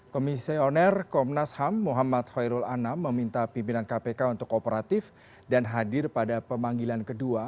komisioner komnas ham muhammad khairul anam meminta pimpinan kpk untuk kooperatif dan hadir pada pemanggilan kedua